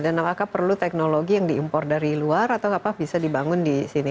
dan apakah perlu teknologi yang diimpor dari luar atau apa bisa dibangun di sini